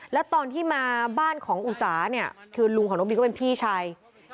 แล้วตอนที่มาบ้านของอุสาเนี่ยคือลุงของน้องบีก็เป็นพี่ชาย